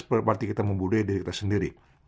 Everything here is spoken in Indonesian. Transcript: seperti kita membudaya diri kita sendiri